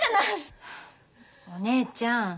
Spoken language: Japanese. お姉ちゃん